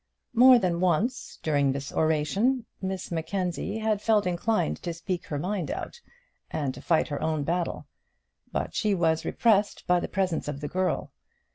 More than once during this oration Miss Mackenzie had felt inclined to speak her mind out, and to fight her own battle; but she was repressed by the presence of the girl.